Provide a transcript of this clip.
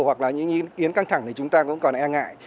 hoặc là những ý kiến căng thẳng thì chúng ta cũng còn e ngại